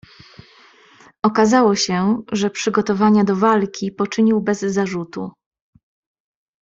"Okazało się, że przygotowania do walki poczynił bez zarzutu."